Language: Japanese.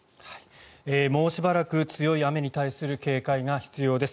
もうしばらく強い雨に対する警戒が必要です。